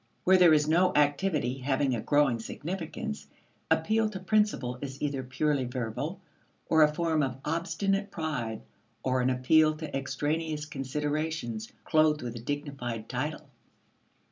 Where there is no activity having a growing significance, appeal to principle is either purely verbal, or a form of obstinate pride or an appeal to extraneous considerations clothed with a dignified title.